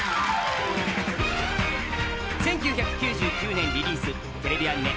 １９９９年リリース、テレビアニメ